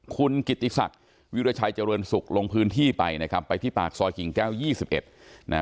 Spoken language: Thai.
คุณกิติศักดิ์วิวรชัยเจริญศุกร์ลงพื้นที่ไปนะครับไปที่ปากซอยจุดเกิดแก้ว๒๑